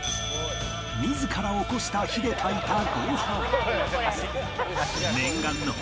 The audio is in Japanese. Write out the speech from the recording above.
自らおこした火で炊いたご飯